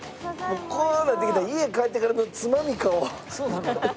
こうなってきたら家に帰ってからのつまみ買おう。